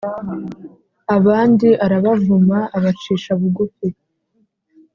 abandi arabavuma, abacisha bugufi,